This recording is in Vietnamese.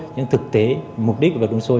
nhưng thực tế mục đích của nước đun sôi